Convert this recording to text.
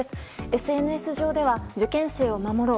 ＳＮＳ上では「＃受験生を守ろう」